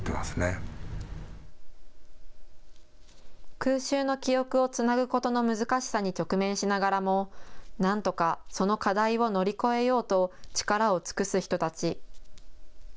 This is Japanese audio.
空襲の記憶をつなぐことの難しさに直面しながらもなんとかその課題を乗り越えようと力を尽くす人たち。